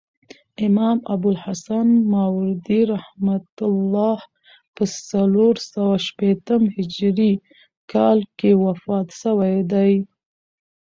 امام ابوالحسن ماوردي رحمة الله په څلورسوه شپېتم هجري کال کښي وفات سوی دي.